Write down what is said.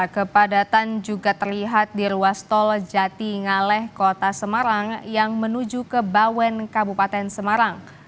kepadatan juga terlihat di ruas tol jati ngaleh kota semarang yang menuju ke bawen kabupaten semarang